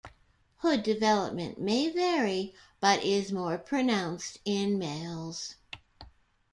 Hood development may vary but is more pronounced in males.